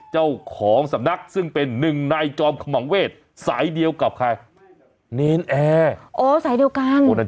ฮ่าฮ่าฮ่าฮ่าฮ่าฮ่าฮ่าฮ่าฮ่าฮ่าฮ่าฮ่าฮ่า